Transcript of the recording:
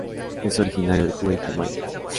Es originario de Cuba y Jamaica.